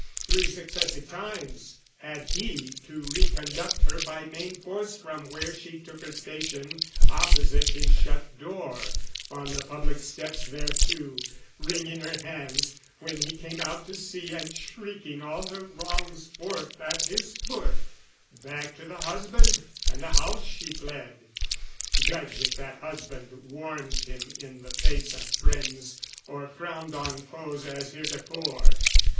Three successive times, Had he to reconduct her by main force From where she took her station opposite His shut door, on the public steps thereto, Wringing her hands, when he came out to see, And shrieking all her wrongs forth at his foot, Back to the husband and the house she fled: Judge if that husband warmed him in the face Of friends or frowned on foes as heretofore!